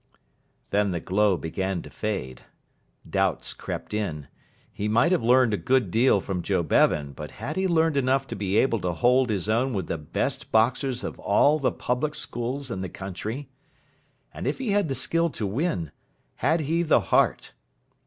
Then the glow began to fade. Doubts crept in. He might have learned a good deal from Joe Bevan, but had he learned enough to be able to hold his own with the best boxers of all the public schools in the country? And if he had the skill to win, had he the heart?